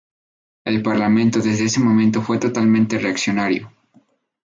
El Parlamento desde ese momento fue totalmente reaccionario.